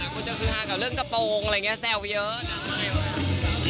คุณจะคือฮากับเรื่องกระโปรงอะไรอย่างนี้แซวเยอะนะ